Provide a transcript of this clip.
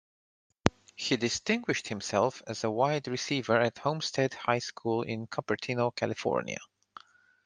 He distinguished himself as a wide receiver at Homestead High School in Cupertino, California.